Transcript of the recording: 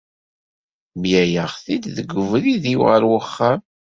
Mlaleɣ-t-id deg ubrid-iw ɣer uxxam.